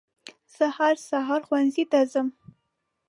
زه هر سهار ښوونځي ته ځم